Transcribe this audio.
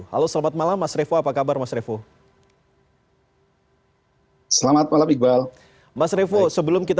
halo selamat malam mas revo apa kabar mas revo selamat malam iqbal mas revo sebelum kita